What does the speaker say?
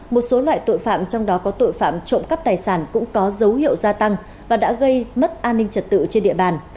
một số loại tội phạm trong đó có tội phạm trộm cắp tài sản cũng có dấu hiệu gia tăng và đã gây mất an ninh trật tự trên địa bàn